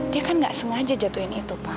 dia kan nggak sengaja jatuhin itu pak